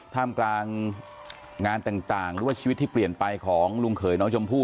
ท่ามกลางงานต่างหรือว่าชีวิตที่เปลี่ยนไปของลุงเขยน้องชมพู่